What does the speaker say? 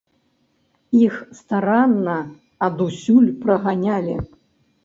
Іх старанна адусюль праганялі.